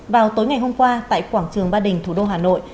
vào tối ngày hôm qua tại quảng trường ba đình thủ đô hà nội